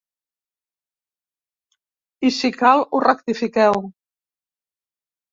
I si cal, ho rectifiqueu.